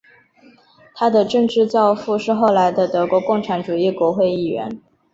他的政治教父是后来的德国共产党国会议员。